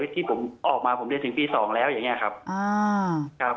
ที่ผมออกมาผมเรียนถึงปี๒แล้วอย่างนี้ครับ